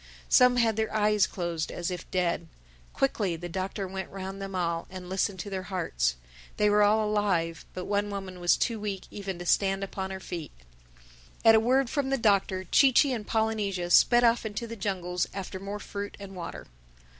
Some had their eyes closed, as if dead. Quickly the Doctor went round them all and listened to their hearts. They were all alive; but one woman was too weak even to stand upon her feet. At a word from the Doctor, Chee Chee and Polynesia sped off into the jungles after more fruit and water.